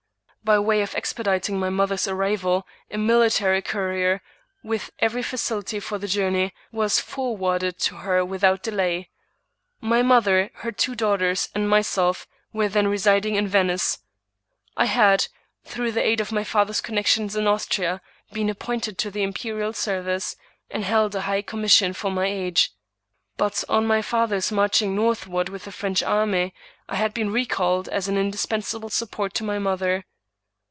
By way of expediting my mother's arrival, a military courier,, with every facility for the journey, was forwarded to her without delay. My mother, her two daughters, and myself,, were then residing in Venice. I had, through the aid of my father's connections in Austria, been appointed in the im perial service, and held a high commission for my age. But^ on my father's marching northward with the French army,. I had been recalled as an indispensable support to my mother.